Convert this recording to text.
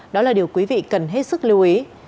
đó là điều quý vị cần hết sức lưu ý